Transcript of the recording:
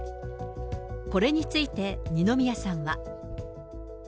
これについて二宮さんは。